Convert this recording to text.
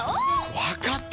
わかった！